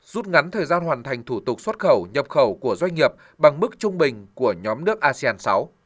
rút ngắn thời gian hoàn thành thủ tục xuất khẩu nhập khẩu của doanh nghiệp bằng mức trung bình của nhóm nước asean sáu